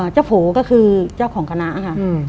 โผก็คือเจ้าของคณะค่ะ